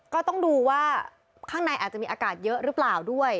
ก็ต้องดูว่าข้างในอาจจะมีอากาศเยอะหรือเปล่าด้วย